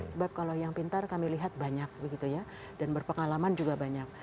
sebab kalau yang pintar kami lihat banyak begitu ya dan berpengalaman juga banyak